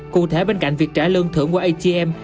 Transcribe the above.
cụ thể bên cạnh việc trả lương thưởng qua atm